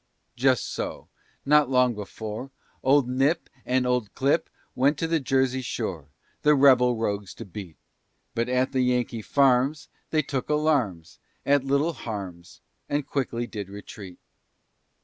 Just so, not long before, Old Knyp, And old Clip Went to the Jersey shore, The rebel rogues to beat; But, at Yankee farms, They took alarms, At little harms, And quickly did retreat.